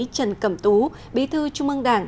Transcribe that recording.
trần cẩm tú bí thư trung ương đảng